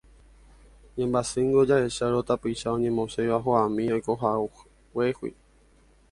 Ñambyasýngo jahechárõ tapicha oñemosẽva hogami oikohaguégui.